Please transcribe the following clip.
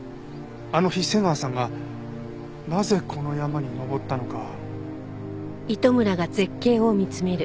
あの日瀬川さんがなぜこの山に登ったのか。